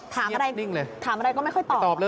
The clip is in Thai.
ถามอะไรก็ไม่ค่อยตอบ